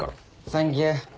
サンキュー。